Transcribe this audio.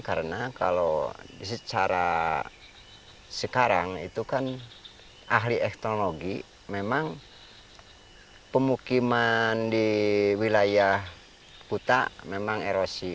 karena kalau secara sekarang itu kan ahli ekonomi memang pemukiman di wilayah kuta memang erosi